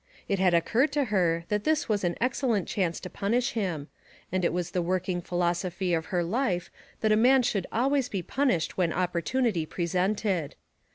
It had occurred to her that this was an excellent chance to punish him, and it was the working philosophy of her life that a man should always be punished when opportunity presented.